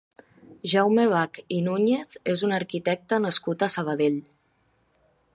Jaume Bach i Núñez és un arquitecte nascut a Sabadell.